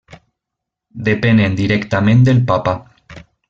Depenen directament del Papa.